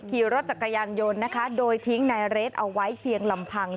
ขี่รถจักรยานยนต์นะคะโดยทิ้งนายเรทเอาไว้เพียงลำพัง